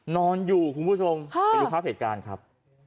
นอนอยู่คุณผู้ชมไปดูภาพเหตุการณ์ครับ